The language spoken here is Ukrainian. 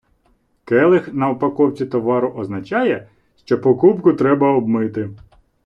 Келих на упаковці товару означає, що покупку треба обмити.